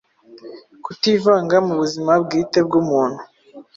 Kutivanga mu buzima bwite bw’umuntu.